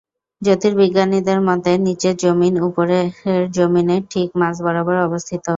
জ্যোতির্বিজ্ঞানীদের মতে, নীচের যমীন উপরের যমীনের ঠিক মাঝ বরাবর অবস্থিত।